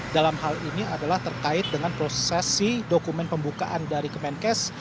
dalam hal ini adalah terkait dengan prosesi dokumen pembukaan dari kemenkes